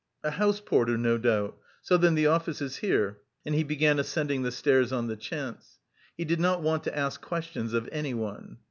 "A house porter, no doubt; so then, the office is here," and he began ascending the stairs on the chance. He did not want to ask questions of anyone.